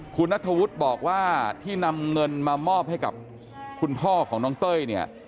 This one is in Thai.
คุณนัทธวุฒิบอกว่าที่นำเงินมามอบให้กับคุณพ่อของน้องเต้ยเนี่ย